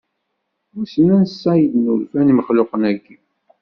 Wissen ansa i d-nulfan imexluqen-aki?